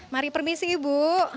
mari permisi ibu